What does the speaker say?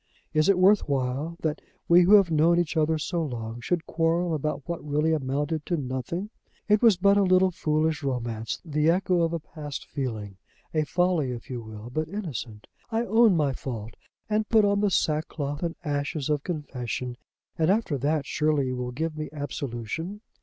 Is it worth while that we who have known each other so long should quarrel about what really amounted to nothing? It was but a little foolish romance, the echo of a past feeling, a folly if you will, but innocent. I own my fault and put on the sackcloth and ashes of confession, and, after that, surely you will give me absolution.